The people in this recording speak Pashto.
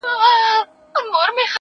قاضي وکړه فيصله چي دى په دار سي